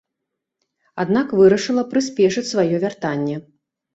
Аднак вырашыла прыспешыць сваё вяртанне.